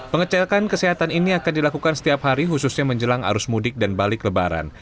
pengecekan kesehatan ini akan dilakukan setiap hari khususnya menjelang arus mudik dan balik lebaran